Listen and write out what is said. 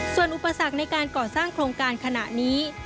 ส่วนอุปสรรคในการก่อสร้างโครงการขณะนี้